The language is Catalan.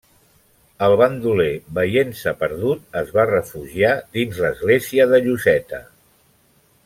El bandoler, veient-se perdut, es va refugiar dins l'església de Lloseta.